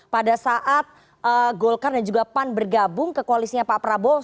pada saat golkar dan juga pan bergabung ke koalisnya pak prabowo